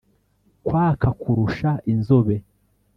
kwaka kurusha inzobe